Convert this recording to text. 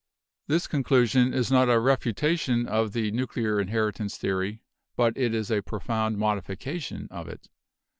"This conclusion is not a refutation of the nuclear in heritance theory, but it is a profound modification of it.